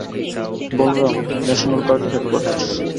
Balaram - national party headquarters.